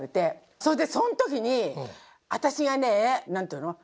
それでその時に私がね何て言うの？